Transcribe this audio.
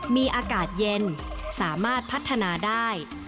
มีอากาศเย็นสามารถพัฒนาได้